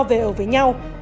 về ở với nhau